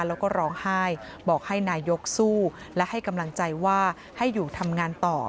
แล้วก็ร้องไห้บอกให้นายกสู้และให้กำลังใจว่าให้อยู่ทำงานต่อ